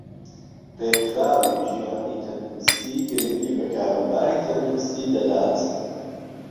رێكخراوی ژیانی تەندروستی گرنگی بە كاروباری تەندروستی دەدات